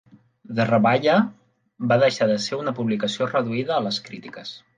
The Ravaya va deixar de ser una publicació reduïda a les crítiques.